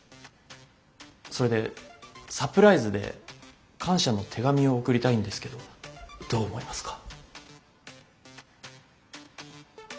それでサプライズで感謝の手紙を送りたいんですけどどう思いますか？